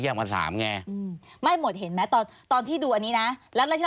อันนี้ผมบอกไม่ได้ตรง